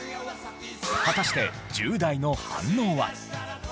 果たして１０代の反応は？